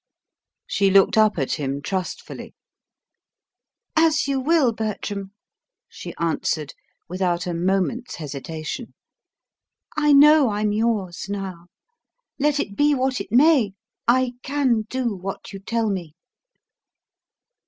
She looked up at him trustfully. "As you will, Bertram," she answered, without a moment's hesitation. "I know I'm yours now. Let it be what it may, I can do what you tell me."